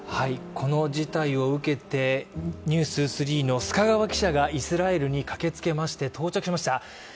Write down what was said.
この事態を受けて「ｎｅｗｓ２３」の須賀川記者がイスラエルに駆けつけまして、到着しました。